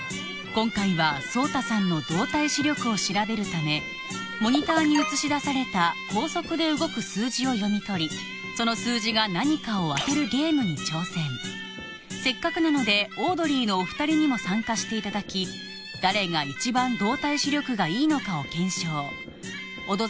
今回は爽汰さんの動体視力を調べるためモニターに映し出された高速で動く数字を読み取りその数字が何かを当てるゲームに挑戦せっかくなのでオードリーのお二人にも参加していただき誰が一番動体視力がいいのかを検証オド